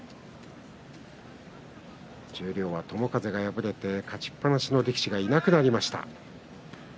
十両は友風が敗れて勝ちっぱなしの力士がいなくなりました。